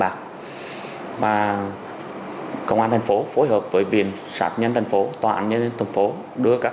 bạc và công an thành phố phối hợp với viện sạc nhân thành phố tòa án nhân dân thành phố đưa các